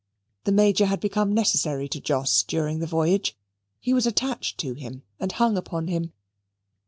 The Major had become necessary to Jos during the voyage. He was attached to him, and hung upon him.